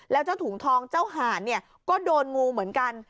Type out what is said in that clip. แล้วเจ้าถุงทองเจ้าหานเนี่ยก็โดนงูเหมือนกัน